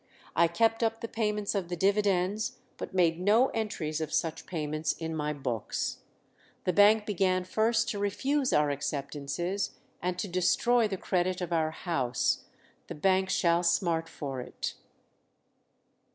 I kept up the payments of the dividends, but made no entries of such payments in my books. The bank began first to refuse our acceptances, and to destroy the credit of our house; the bank shall smart for it."